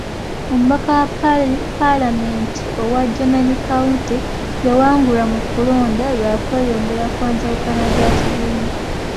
Omubaka wa paalamenti owa Jonan county yawangulwa mu kulonda lwa kweyongera kwa njawukana za kibiina.